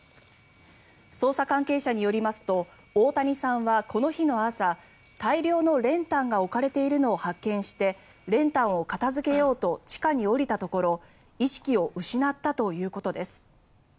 捜査関係者によりますと大谷さんはこの日の朝大量の練炭が置かれているのを発見して練炭を片付けようと地下に下りたところ意識を失ったということです。